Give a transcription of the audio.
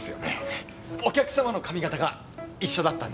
お客様の髪形が一緒だったんで。